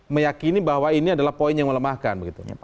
meyakini bahwa ini adalah poin yang melemahkan begitu